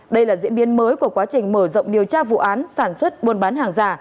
đây là diễn biến mới của quá trình mở rộng điều tra vụ án sản xuất buôn bán hàng giả